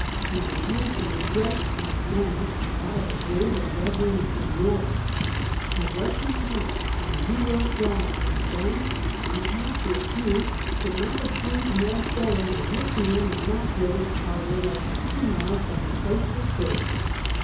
He was handsomely dressed, and his man ner that of a grave and reverend seignor, A Russian count in a IsTew York drawing room, then, when counts were few, could not have seemed more foreign than this man in that village parlor, less than two miles from the place of his birth.